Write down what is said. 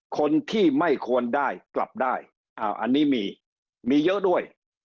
คนที่ไม่ควรได้กลับได้อันนี้มีมีเยอะด้วย